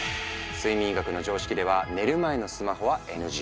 睡眠医学の常識では寝る前のスマホはＮＧ。